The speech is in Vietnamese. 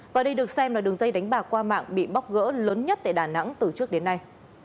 và đây được xem là đường dây đánh bạc qua mạng bị bóc gỡ lớn nhất tại đà nẵng từ trước đến nay